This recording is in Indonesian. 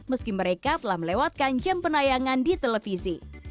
meski mereka telah melewatkan jam penayangan di televisi